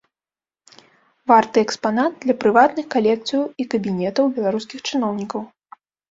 Варты экспанат для прыватных калекцыяў і кабінетаў беларускіх чыноўнікаў.